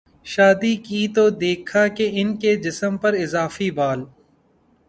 شادی کی تو دیکھا کہ ان کے جسم پراضافی بال